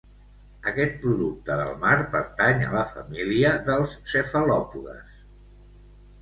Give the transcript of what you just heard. Aquest producte del mar pertany a la família dels cefalòpodes